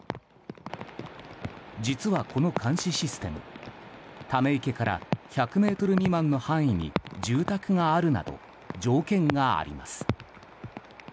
実はこの監視システムため池から１００ｍ未満の範囲に住宅があるなど条件があります。